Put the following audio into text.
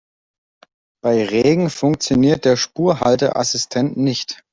Bei Regen funktioniert der Spurhalteassistent nicht.